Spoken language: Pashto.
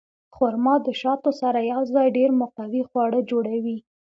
خرما د شاتو سره یوځای ډېر مقوي خواړه جوړوي.